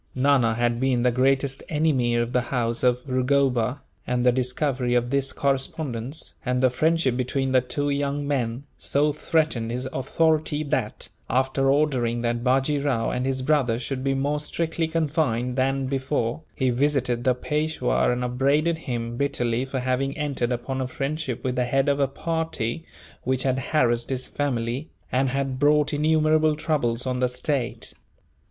Nana had been the greatest enemy of the house of Rugoba; and the discovery of this correspondence, and the friendship between the two young men, so threatened his authority that, after ordering that Bajee Rao and his brothers should be more strictly confined than before, he visited the Peishwa and upbraided him bitterly for having entered upon a friendship with the head of a party which had harassed his family, and had brought innumerable troubles on the state.